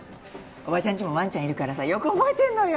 おばちゃんちもワンちゃんいるからさよく覚えてんのよ。